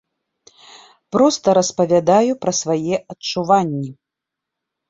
Проста распавядаю пра свае адчуванні.